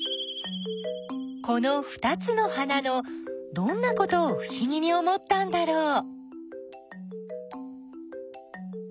このふたつの花のどんなことをふしぎに思ったんだろう？